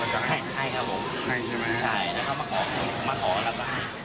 ใช่แล้วก็มาขออะไร